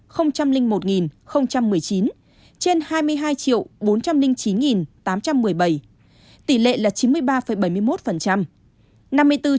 tổng số học sinh học trực tiếp trên cả nước là hai mươi một một một mươi chín trên hai mươi hai bốn trăm linh chín tám trăm một mươi bảy